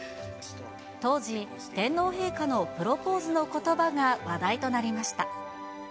当時、天皇陛下のプロポーズのことばが話題となりました。